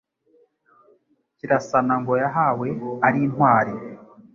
Kirasana ngo yahawe ari intwari.